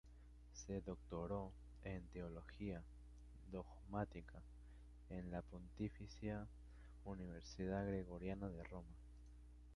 Se doctoró en teología dogmática en la Pontificia Universidad Gregoriana de Roma.